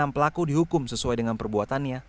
enam pelaku dihukum sesuai dengan perbuatannya